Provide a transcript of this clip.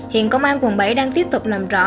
hiện công an quận bảy đang tiếp tục làm rõ